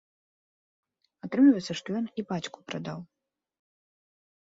Атрымліваецца, што ён і бацьку прадаў.